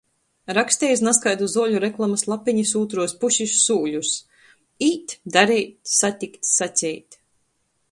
Raksteja iz nazkaidu zuoļu reklamys lapenis ūtruos pusis sūļus – īt, dareit, satikt, saceit.